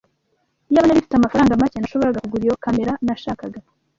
Iyaba nari mfite amafaranga make, nashoboraga kugura iyo kamera nashakaga.